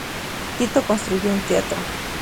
Tito construyó un teatro.